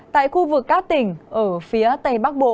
tại khu vực các tỉnh ở phía tây bắc bộ